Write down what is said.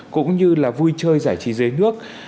cũng như là vui chơi giải trí dưới nước